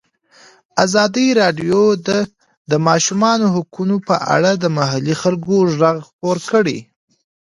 ازادي راډیو د د ماشومانو حقونه په اړه د محلي خلکو غږ خپور کړی.